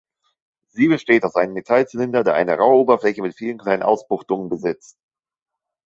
Sie besteht aus einem Metallzylinder, der eine raue Oberfläche mit vielen kleinen Ausbuchtungen besitzt.